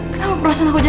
kenapakan berasau hujan